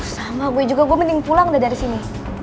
sama gue juga gue mending pulang deh dari sini